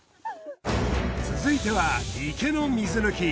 続いては池の水抜き。